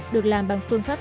được làm bằng phương pháp